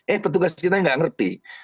eh petugas kita nggak ngerti